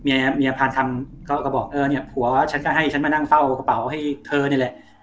เมียเมียพาทำก็บอกเออเนี่ยผัวฉันก็ให้ฉันมานั่งเฝ้ากระเป๋าให้เธอนี่แหละ